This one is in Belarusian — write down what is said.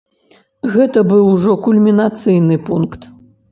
Гэта быў ужо кульмінацыйны пункт.